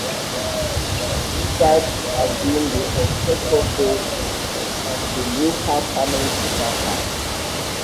This site has been the ancestral home of the Newenham family since that time.